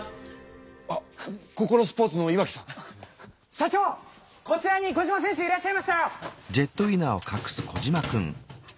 社長こちらにコジマ選手いらっしゃいましたよ！